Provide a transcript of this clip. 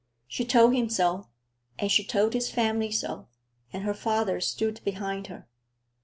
She told him so, and she told his family so, and her father stood behind her.